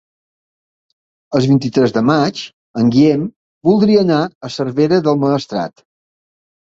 El vint-i-tres de maig en Guillem voldria anar a Cervera del Maestrat.